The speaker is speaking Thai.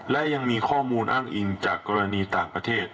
และยังมีข้อมูลอ้างอิงจากกรณีต่างประเทศ